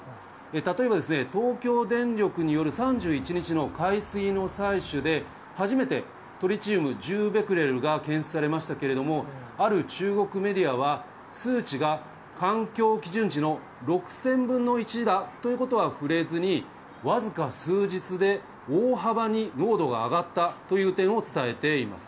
例えば、東京電力による３１日の海水の採取で、初めてトリチウム１０ベクレルが検出されましたけれども、ある中国メディアは、数値が、環境基準値の６０００分の１だということには触れずに、僅か数日で大幅に濃度が上がったという点を伝えています。